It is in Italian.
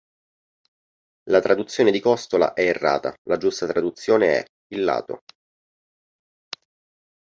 La traduzione di costola é errata: la giusta traduzione è: il lato.